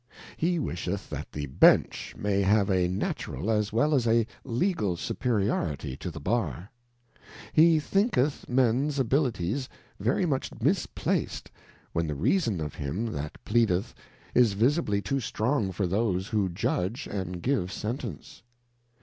He wisheth that the Bench may have a Natural as well as a Legal Superiority to the Bar ; he thinketh Mens abilities very much misplac'd, when the Reason of him that pleadeth is visibly too strong for those who Judge and give Sentence.